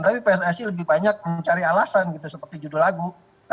tapi pssi lebih banyak mencari alasan gitu seperti judul lagu